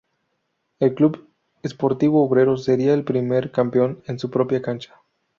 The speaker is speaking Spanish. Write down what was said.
El Club Sportivo Obrero sería el primer campeón en su propia cancha.